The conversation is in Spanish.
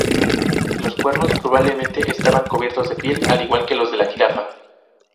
Los cuernos probablemente estaban cubiertos con piel, al igual que los de la jirafa.